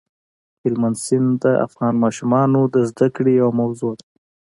هلمند سیند د افغان ماشومانو د زده کړې یوه موضوع ده.